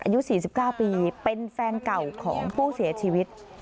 อายุ๔๙ปีเป็นแฟนเก่าของผู้เสียชีวิต